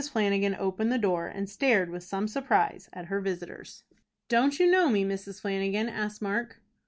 Flanagan opened the door, and stared with some surprise at her visitors. "Don't you know me, Mrs. Flanagan?" asked Mark.